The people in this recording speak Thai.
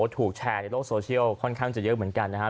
ถูกแชร์ในโลกโซเชียลค่อนข้างจะเยอะเหมือนกันนะครับ